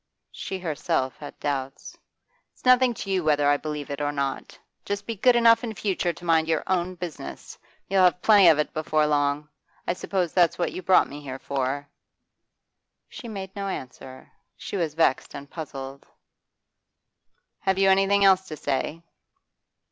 She herself had doubts. 'It's nothing to you whether I believe it or not. Just be good enough in future to mind your own business; you'll have plenty of it before long. I suppose that's what you brought me here for?' She made no answer; she was vexed and puzzled. 'Have you anything else to say?